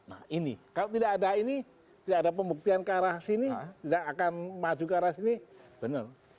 nah ini kalau tidak ada ini tidak ada pembuktian ke arah sini tidak akan maju ke arah sini benar